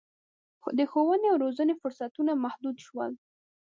د ښوونې او روزنې فرصتونه محدود شول.